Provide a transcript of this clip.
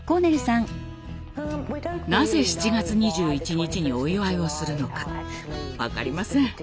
なぜ７月２１日にお祝いをするのか分かりません。